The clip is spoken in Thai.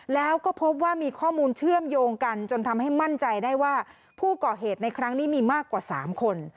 แล้วก็พบว่ามีข้อมูลเชื่อมโยงกันจนทำให้มั่นใจได้ว่าผู้ก่อเหตุในครั้งนี้มีมากกว่า๓คน